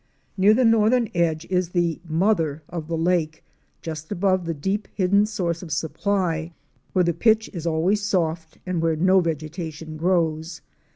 Near the northern edge is the "mother of the lake," just above the deep hidden source of supply, where the pitch is always soft, and where no vegetation grows.